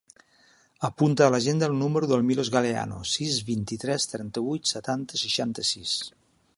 Apunta a l'agenda el número del Milos Galeano: sis, vint-i-tres, trenta-vuit, setanta, seixanta-sis.